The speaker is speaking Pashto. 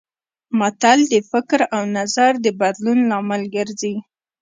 متل د فکر او نظر د بدلون لامل ګرځي